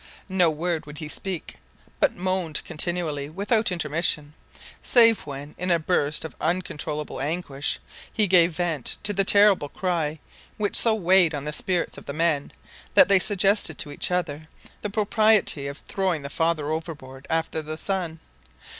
No word would he speak, but moaned continually without intermission, save when, in a burst of uncontrollable anguish, he gave vent to the terrible cry which so weighed on the spirits of the men, that they suggested to each other the propriety of throwing the father overboard after the son.